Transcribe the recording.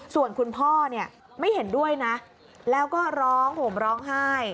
ส่วนคุณพ่อเนี่ยไม่เห็นด้วยนะแล้วก็ร้องห่มร้องไห้